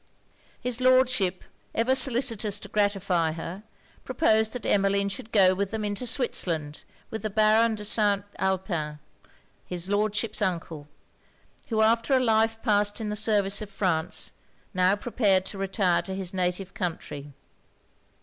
His Lordship, ever solicitous to gratify her, proposed that Emmeline should go with them into Switzerland with the Baron de St. Alpin, his Lordship's uncle; who, after a life passed in the service of France, now prepared to retire to his native country.